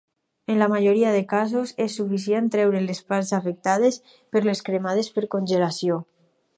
En la majoria de casos, és suficient treure les parts afectades per les cremades per congelació.